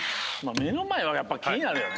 目の前はやっぱ気になるよね。